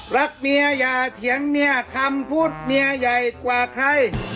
รักเมียอย่าเถียงเมียคำพูดเมียใหญ่กว่าใคร